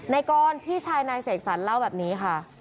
นายกรพี่ชายนายเสกสรรเล่าแบบนี้ค่ะ